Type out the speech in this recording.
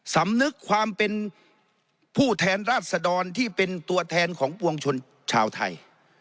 สำนึกความเป็นผู้แทนราชดรที่เป็นตัวแทนของปวงชนชาวไทย